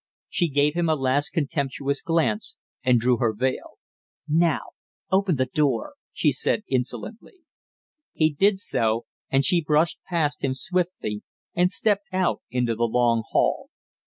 She gave him a last contemptuous glance and drew her veil. "Now open the door," she said insolently. He did so, and she brushed past him swiftly and stepped out into the long hall.